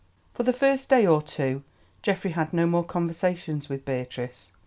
For the first day or two Geoffrey had no more conversations with Beatrice.